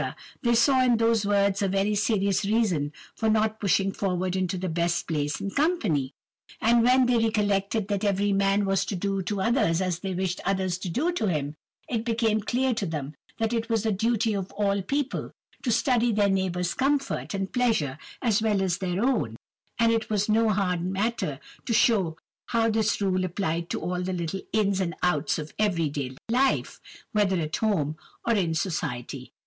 they saw in those words a very serious reason for not pushing forward into the best place in company. And when they recollected that every man was to do to others as he wished others to do to him, it became clear to them that it was the duty of all people to study their neighbours' comfort and pleasure as well as their own; and it was no hard matter to show how this rule applied to all the little ins and outs of every day life, whether at home, or in society.